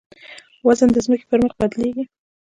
وزن د ځمکې پر مخ بدلېږي.